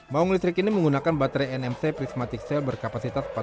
maung listrik ini menggunakan baterai nmc prismatic cell berkapasitas empat puluh delapan delapan kwh